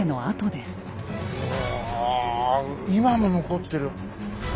うわ今も残ってる。